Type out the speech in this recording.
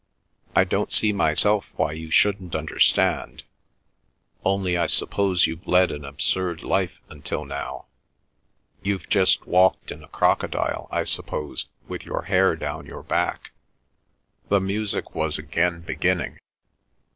I don't see myself why you shouldn't understand—only I suppose you've led an absurd life until now—you've just walked in a crocodile, I suppose, with your hair down your back." The music was again beginning.